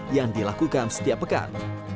yang dilakukan setiap pekan